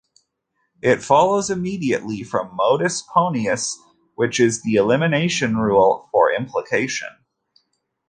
It follows immediately from modus ponens which is the elimination rule for implication.